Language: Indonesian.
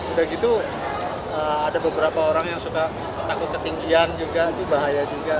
udah gitu ada beberapa orang yang suka takut ketinggian juga itu bahaya juga